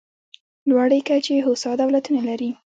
لوړې کچې هوسا دولتونه لري.